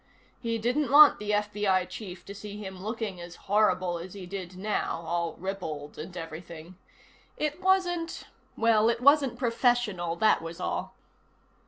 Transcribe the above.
He didn't want the FBI chief to see him looking as horrible as he did now, all rippled and everything. It wasn't well, it wasn't professional, that was all.